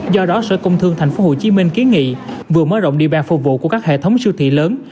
do đó sở công thương thành phố hồ chí minh kiến nghị vừa mở rộng địa bàn phục vụ của các hệ thống siêu thị lớn